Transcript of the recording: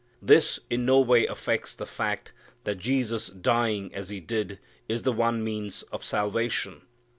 This in no way affects the fact that Jesus dying as He did is the one means of salvation.